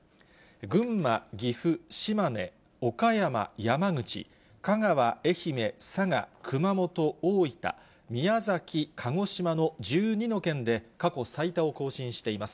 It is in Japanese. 群馬、岐阜、島根、岡山、山口、香川、愛媛、佐賀、熊本、大分、宮崎、鹿児島の１２の県で、過去最多を更新しています。